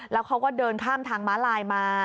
แล้วเขาก็เดินข้ามทางม้าลายมา